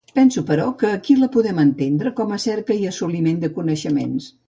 Penso però que aquí la podem entendre com cerca i assoliment de coneixements.